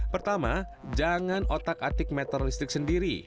pertama jangan otak atik meter listrik sendiri